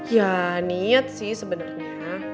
ya niat sih sebenernya